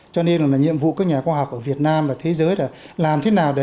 cho nên là nhiệm vụ các nhà khoa học ở việt nam và thế giới là làm thế nào để